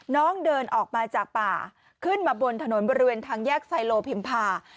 น้องเดินออกมาจากป่าขึ้นมาบนถนนบริเวณทางแยกไซโลพิมพา